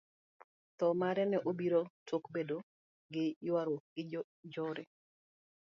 Thoo mare ne obiro tok bedo gi yuaruok gi jonjore.